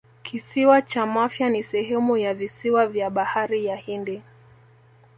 Kisiwa cha Mafia ni sehemu ya visiwa vya Bahari ya Hindi